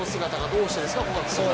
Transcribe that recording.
どうしてですか？